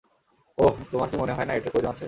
ওহ, তোমার কি মনে হয় না এটার প্রয়োজন আছে?